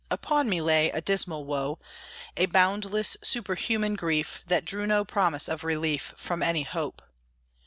Upon me lay a dismal woe, A boundless, superhuman grief, That drew no promise of relief From any hope.